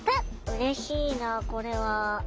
うれしいなこれは。